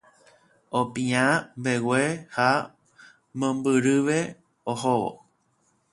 Opiã mbegue ha mombyryve ohóvo.